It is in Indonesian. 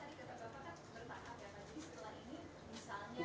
bertahap ya pak jadi setelah ini